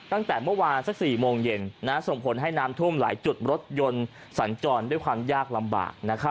ตั้งแต่เมื่อวานสัก๔โมงเย็นส่งผลให้น้ำท่วมหลายจุดรถยนต์สัญจรด้วยความยากลำบาก